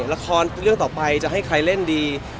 ละครเรื่องต่อไปจะให้ใครเล่นดี